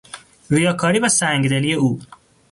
ریاکاری و سنگدلی او